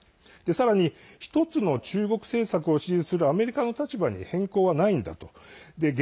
さらに１つの中国政策を支持するアメリカの立場に変更はないんだと。